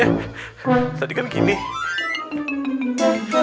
kok ber traditionalilik ya